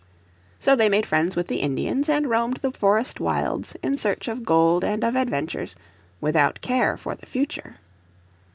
So they made friends with the Indians, and roamed the forest wilds in search of gold and of adventures, without care for the future.